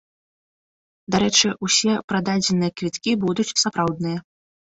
Дарэчы, усе прададзеныя квіткі будуць сапраўдныя.